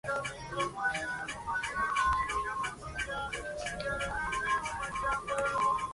Allá, Nellie y su hermana Gloria estudiaron coreografía y ballet.